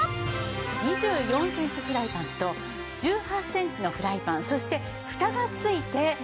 ２４センチフライパンと１８センチのフライパンそしてふたが付いて３点セット。